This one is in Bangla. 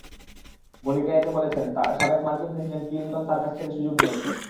মনিকা এতে বলেছেন, সাবেক মার্কিন প্রেসিডেন্ট ক্লিনটন তাঁর কাছ থেকে সুযোগ নিয়েছিলেন।